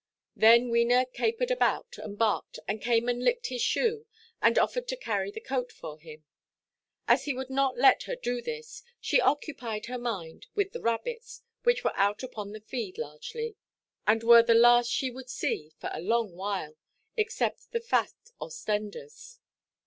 Then Wena capered about, and barked, and came and licked his shoe, and offered to carry the coat for him. As he would not let her do this, she occupied her mind with the rabbits, which were out upon the feed largely, and were the last she would see for a long while, except the fat Ostenders.